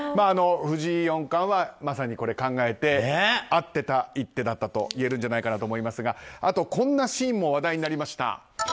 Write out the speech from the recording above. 藤井四冠はまさに考えて合ってた一手だったといえるんじゃないかと思いますがこんなシーンも話題になりました。